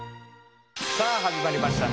さあ始まりました